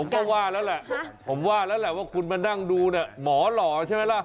ผมก็ว่าละล่ะทุกคนมานั่งดูคุณหมอหลอใช่ไหมละ